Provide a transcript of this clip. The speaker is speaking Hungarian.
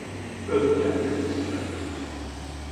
Öt gyermekük született.